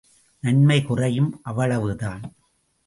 நன்மை குறையும், அவ்வளவுதான்.